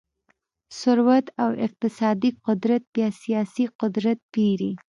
ثروت او اقتصادي قدرت بیا سیاسي قدرت پېري.